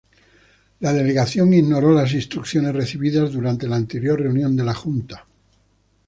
La delegación ignoró las instrucciones recibidas durante la anterior reunión de la Junta.